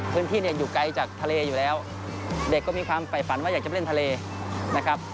พื้นที่เนี่ยอยู่ไกลจากทะเลอยู่แล้วเด็กก็มีความฝ่ายฝันว่าอยากจะไปเล่นทะเลนะครับ